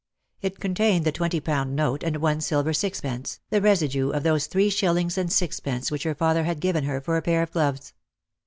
It contained the twenty pound note, and one silver sixpence, the residue of those three shillings and sixpence which her father had given her for a pair of gloves.